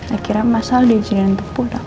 akhirnya mas al diizinkan untuk pulang